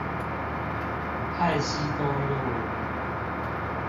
旱溪東路